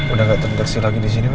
udah gak terinteksi lagi di sini mba